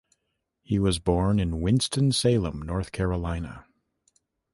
He was born in Winston-Salem, North Carolina.